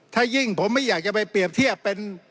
ถ้ายิ่งผมไม่อยากจะไปเปรียบเทียบเป็น